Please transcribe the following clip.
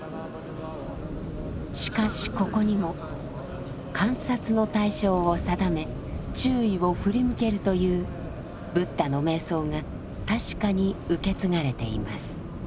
しかしここにも観察の対象を定め注意を振り向けるというブッダの瞑想が確かに受け継がれています。